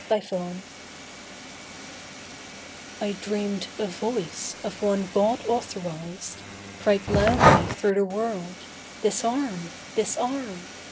THE VOICE I dreamed a Voice, of one God authorised, Cried loudly thro' the world, 'Disarm! Disarm!